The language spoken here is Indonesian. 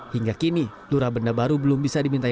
hingga kini lura benda baru belum bisa dimintai